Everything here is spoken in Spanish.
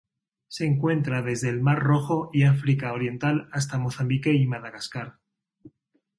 Se encuentra desde el Mar Rojo y África Oriental hasta Mozambique y Madagascar.